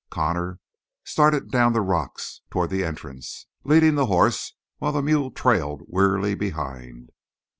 Connor started down the rocks toward the entrance, leading the horse, while the mule trailed wearily behind.